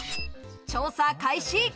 調査開始。